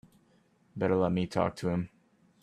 Better let me talk to him.